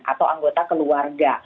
atau anggota keluarga